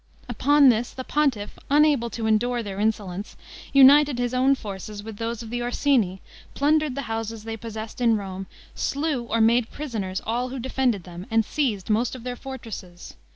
Upon this the pontiff, unable to endure their insolence, united his own forces with those of the Orsini, plundered the houses they possessed in Rome, slew or made prisoners all who defended them, and seized most of their fortresses.